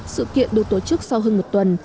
sự kiện được tổ chức sau hơn một tuần